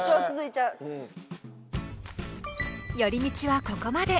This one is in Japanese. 寄り道はここまで。